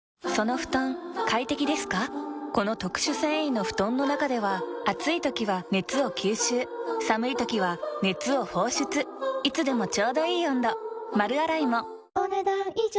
この特殊繊維の布団の中では暑い時は熱を吸収寒い時は熱を放出いつでもちょうどいい温度丸洗いもお、ねだん以上。